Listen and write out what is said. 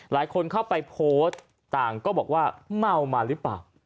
หลายคนเข้าไปโพสต์ต่างก็บอกว่าเมามาหรือเปล่า